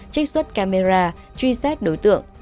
trích xuất camera truy xét đối tượng